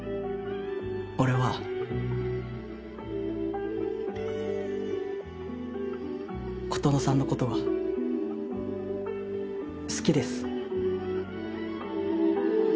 俺は琴乃さんのことが好きです